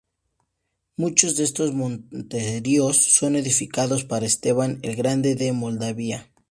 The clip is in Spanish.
Muchos de estos monasterios son edificadas por Esteban el Grande de Moldavia.